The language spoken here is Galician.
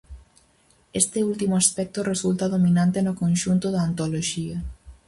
Este último aspecto resulta dominante no conxunto da antoloxía.